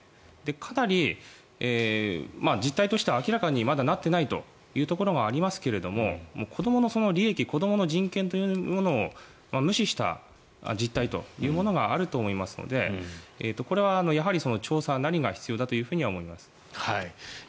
かなり実態としては明らかにはまだなってないというところはありますが子どもの利益子どもの人権というものを無視した実態というものがあると思いますのでこれは調査が必要だと思います。